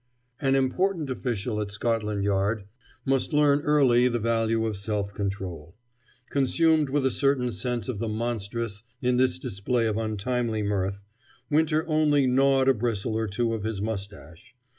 An important official at Scotland Yard must learn early the value of self control. Consumed with a certain sense of the monstrous in this display of untimely mirth, Winter only gnawed a bristle or two of his mustache.